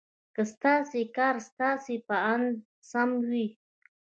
که ستاسې کار ستاسې په اند سم وي.